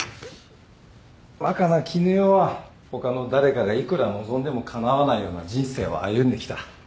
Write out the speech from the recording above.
若菜絹代は他の誰かがいくら望んでもかなわないような人生を歩んできた。